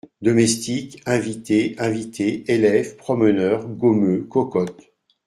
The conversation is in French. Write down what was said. Domestiques, invités, invitées, élèves, promeneurs, gommeux, cocottes.